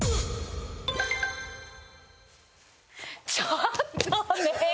ちょっとねえ！